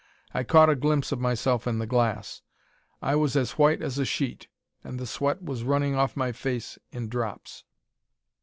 I caught a glimpse of myself in the glass. I was as white as a sheet, and the sweat was running off my face in drops.